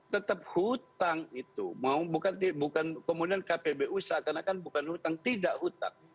tetap hutang itu kemudian kpbu seakan akan bukan hutang tidak utang